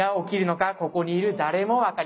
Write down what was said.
ここにいる誰も分かりません。